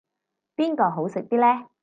邊個好食啲呢